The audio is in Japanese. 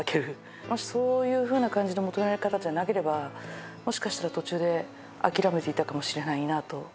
もしそういうふうな感じの求められ方じゃなければもしかしたら途中で諦めていたかもしれないなと。